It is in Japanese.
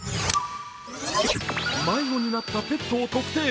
迷子になったペットを特定。